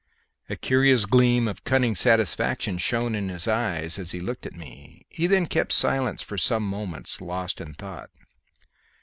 A curious gleam of cunning satisfaction shone in his eyes as he looked at me; he then kept silence for some moments, lost in thought.